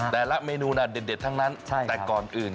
แต่ละเมนูน่ะเด็ดทั้งนั้นแต่ก่อนอื่น